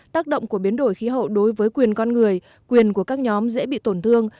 tác động của biến đổi khí hậu đối với quyền con người quyền của các nhóm dễ bị tổn thương